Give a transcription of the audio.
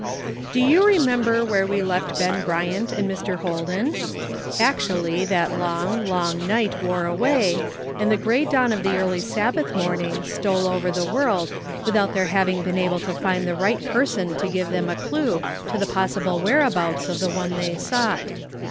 I \0 you remember where we left Ben Bryant ^^ and Mr. Holden? Actually that long, long night wore away, and the gray dawn of the early Sabbath morning stole over the world with out their having been able to find the right person to give them a clue to the possible whereabouts of the one they sought.